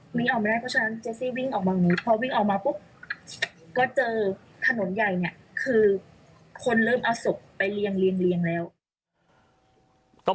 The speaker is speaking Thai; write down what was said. คนเริ่มเอาศพไปเรียง